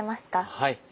はい。